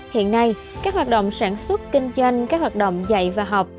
hiện nay các hoạt động sản xuất kinh doanh các hoạt động dạy và học